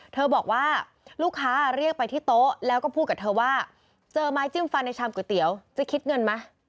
บอกว่าลูกค้าเรียกไปที่โต๊ะแล้วก็พูดกับเธอว่าเจอไม้จิ้มฟันในชามก๋วยเตี๋ยวจะคิดเงินไหม